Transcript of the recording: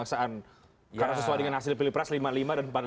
karena sesuai dengan hasil pilpres lima lima dan empat puluh lima